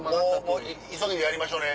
もう急ぎでやりましょうね。